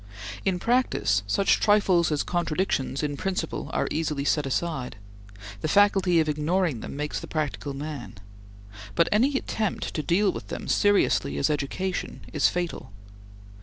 In practice, such trifles as contradictions in principle are easily set aside; the faculty of ignoring them makes the practical man; but any attempt to deal with them seriously as education is fatal.